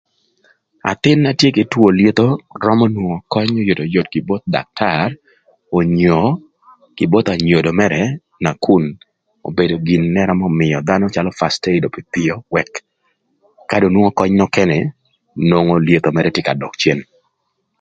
Athïn na tye kï two lyetho römö nwongo köny oyotoyot kï both daktar, onyo kï both anyodo mërë nakun obedo gin n'ërömö mïö dhanö calö FIRST-AID pïöpïö, wëk ka dong nwongo köny nökënë nwongo lyetho mërë tye ka dök cen.